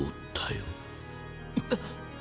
えっ！